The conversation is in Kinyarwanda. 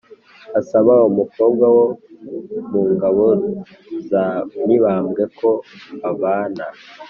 asaba umukobwa wo mu ngabo za mibambwe ko babana